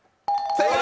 正解！